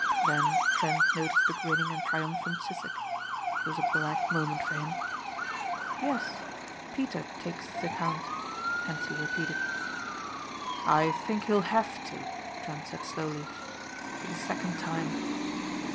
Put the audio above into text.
Then Trent noticed the grinning and triumphant Sissek. It was a black moment for him. "Yes, Peter takes the count," Hentzi repeated. "I think he'll have to," Trent said slowly, "for the second time."